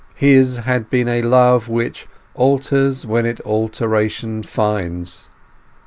His had been a love "which alters when it alteration finds".